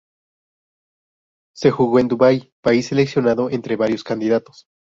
Se jugó en Dubái, país seleccionado entre varios candidatos.